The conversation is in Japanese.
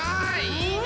いいね！